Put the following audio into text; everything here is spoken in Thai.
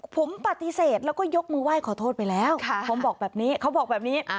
ผมปฏิเสธแล้วก็ยกมือไหว้ขอโทษไปแล้วผมบอกแบบนี้เขาบอกแบบนี้